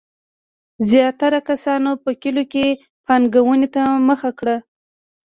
زیاتره کسانو په کلیو کې پانګونې ته مخه کړه.